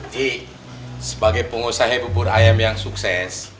ji sebagai pengusaha bubur ayam yang sukses